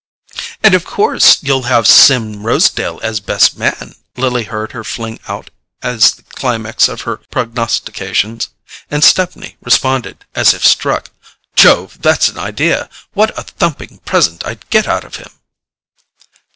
"And of course you'll have Sim Rosedale as best man!" Lily heard her fling out as the climax of her prognostications; and Stepney responded, as if struck: "Jove, that's an idea. What a thumping present I'd get out of him!"